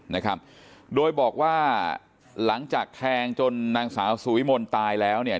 นะครับโดยบอกว่าหลังจากแทงจนนางสาวสุวิมลตายแล้วเนี่ย